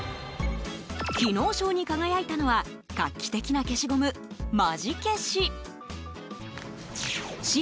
機能賞に輝いたのは画期的な消しゴムマ磁ケシ。